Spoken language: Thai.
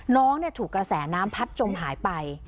น้องถูกกระแสน้ำพัดจมหายไป